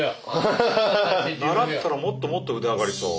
習ったらもっともっと腕上がりそう。